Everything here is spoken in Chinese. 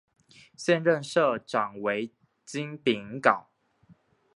现任社长为金炳镐。